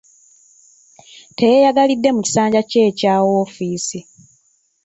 Teyeeyagalidde mu kisanja kye ekya woofiisi.